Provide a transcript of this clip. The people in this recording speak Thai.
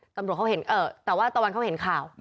ตำรวจเขาเห็นแต่ว่าตะวันเขาเห็นข่าว